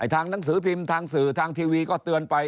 ทางหนังสือพิมพ์ทางสื่อทางทีวีก็เตือนไป